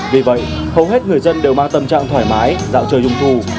vì vậy hầu hết người dân đều mang tâm trạng thoải mái dạo chơi trung thu